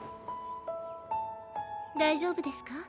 大丈夫ですか？